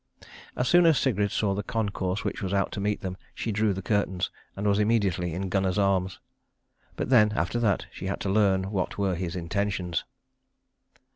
As soon as Sigrid saw the concourse which was out to meet them she drew the curtains, and was immediately in Gunnar's arms. But then, after that, she had to learn what were his intentions.